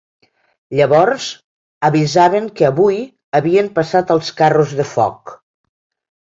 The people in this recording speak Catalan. Llavors avisaven que avui havien passat els 'Carros de foc'.